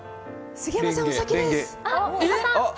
杉山さん、お先です。